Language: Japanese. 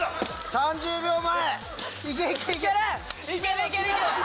３０秒前。